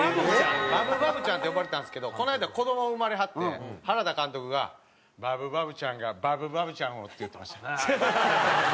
「バブバブちゃん」って呼ばれてたんですけどこの間子ども生まれはって原田監督が「バブバブちゃんがバブバブちゃんを」って言ってました。